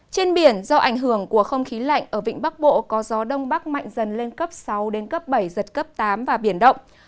trên biển do ảnh hưởng của không khí lạnh ở vịnh bắc bộ có gió đông bắc mạnh dần lên cấp sáu đến cấp bảy giật cấp tám và biển động